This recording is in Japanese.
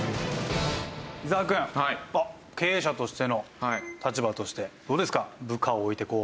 伊沢くん経営者としての立場としてどうですか？